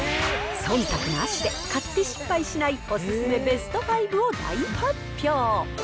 そんたくなしで買って失敗しないお勧めベスト５を大発表。